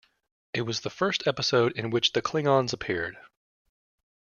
It was the first episode in which the Klingons appeared.